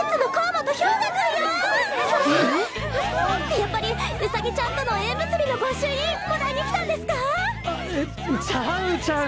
やっぱり兎ちゃんとの縁結びの御朱印もらいに来たんですか♥ちゃうちゃう！